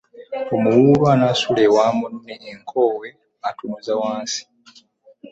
Omuwuulu anaasula omwa munne, enkowe atunuza wansi.